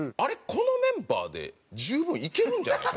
このメンバーで十分いけるんじゃない？と。